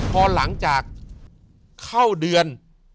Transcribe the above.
พอหลังจากเข้าเดือน